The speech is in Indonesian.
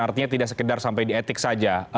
artinya tidak sekedar sampai di etik saja